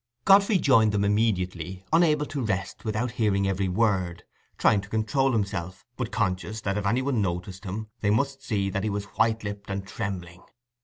Godfrey joined them immediately, unable to rest without hearing every word—trying to control himself, but conscious that if any one noticed him, they must see that he was white lipped and trembling.